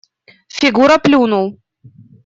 Фигура плюнул.